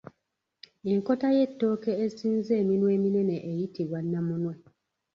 Enkota y’Ettooke esinza eminwe eminene eyitibwa Namunwe.